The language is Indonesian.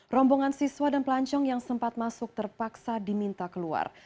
rombongan siswa dan pelancong yang sempat masuk terpaksa diminta keluar